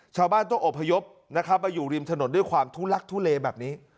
ชาวบ้านต้องอบพยพนะครับมาอยู่ริมถนนด้วยความทุลักทุเลแบบนี้